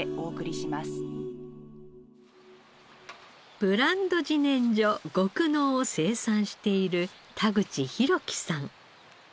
ブランド自然薯「極濃」を生産している田口宏樹さん。